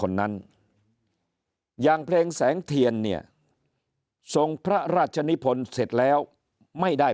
คนนั้นอย่างเพลงแสงเทียนเนี่ยทรงพระราชนิพลเสร็จแล้วไม่ได้